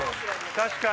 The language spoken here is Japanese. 確かに。